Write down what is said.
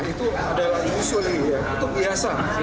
itu adalah usual itu biasa